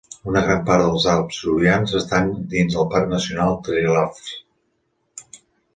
Una gran part dels Alps julians estan dins del Parc Nacional Triglav.